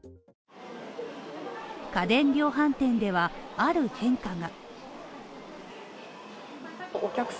家電量販店では、ある変化が。